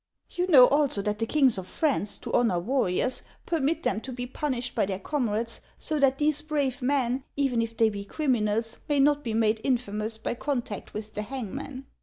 You know also that the kings of France, to honor warriors, permit them to be punished by their comrades, so that these brave men, even if they be crimi nals, may not be made infamous by contact with the hangman.